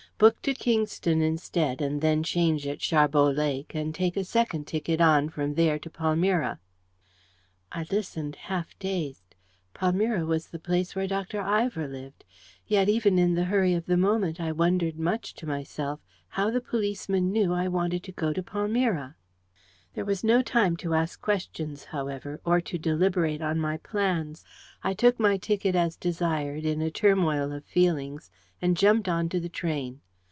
Book to Kingston instead, and then change at Sharbot Lake, and take a second ticket on from there to Palmyra." I listened, half dazed. Palmyra was the place where Dr. Ivor lived. Yet, even in the hurry of the moment, I wondered much to myself how the policeman knew I wanted to go to Palmyra. There was no time to ask questions, however, or to deliberate on my plans. I took my ticket as desired, in a turmoil of feelings, and jumped on to the train.